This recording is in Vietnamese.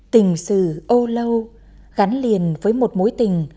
tình sử âu lâu gắn liền với một mối tình